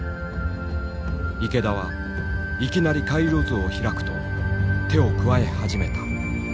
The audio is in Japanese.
池田はいきなり回路図を開くと手を加え始めた。